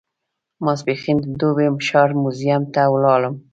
ماپښین د دوبۍ ښار موزیم ته ولاړم.